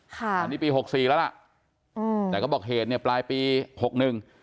ค่ะอันนี้ปีหกสี่แล้วล่ะอืมแต่ก็บอกเหตุเนี่ยปลายปีหกหนึ่ง